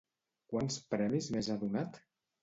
Quants premis més ha donat?